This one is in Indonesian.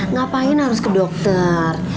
ngapain harus ke dokter